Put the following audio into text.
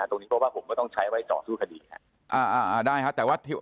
ตรงนี้ผมต้องใช้ไว้เจาะสู้คดี